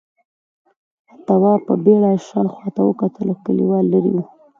تواب په بيړه شاوخوا وکتل، کليوال ليرې و: